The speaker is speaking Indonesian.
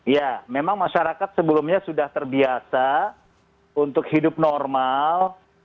ya memang masyarakat sebelumnya sudah terbiasa untuk hidup normal